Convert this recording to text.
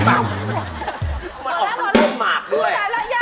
มันออกได้เป็นปุ้มหมากด้วย